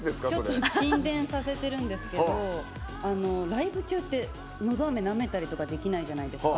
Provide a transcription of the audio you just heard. ちょっと沈殿させてるんですけどライブ中ってのどあめ、なめたりってできないじゃないですか。